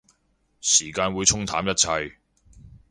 時間會沖淡一切